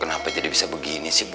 kenapa jadi bisa begini sih bu